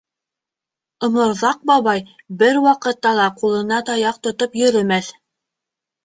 Оморҙаҡ бабай бер ваҡытта ла ҡулына таяҡ тотоп йөрөмәҫ.